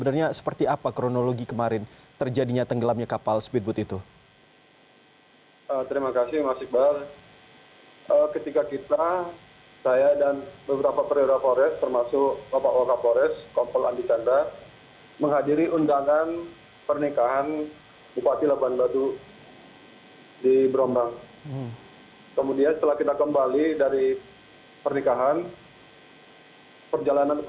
dan saat ini kabit humas poldasu rinaginti menyatakan diduga kapal speedboat itu tenggelam setelah menabrak tunggul kayu